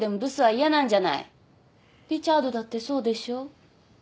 リチャードだってそうでしょ？